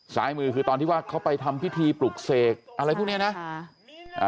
ซ้ายมือคือตอนที่ว่าเขาไปทำพิธีปลุกเสกอะไรพวกเนี้ยนะค่ะอ่า